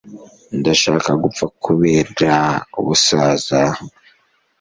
ndashaka gupfa kubera ubusaza